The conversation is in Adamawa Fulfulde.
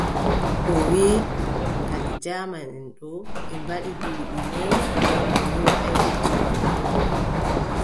O wii kadi jaamanʼen ɗo ɓe mbaɗi duuɓi noy nde Goni Waɗaay lotti warugo ?